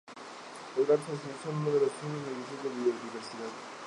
Los Ghats Occidentales son uno de los centros reconocidos de biodiversidad.